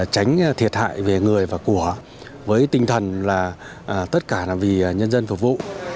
tránh thiệt hại về người và của với tinh thần là tất cả là vì nhân dân phục vụ